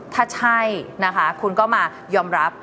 ถ้าใช่นะคะคุณก็มายอมรับ